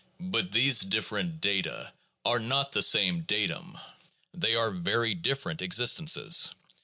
But these various data are not the same datum, they are very different existences.